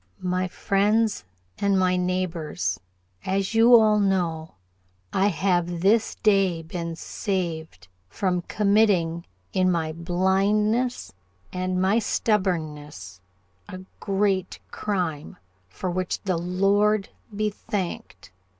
"My friends and my neighbors, as you all know, I have this day been saved from committing, in my blindness and my stubbornness, a great crime, for which the Lord be thanked.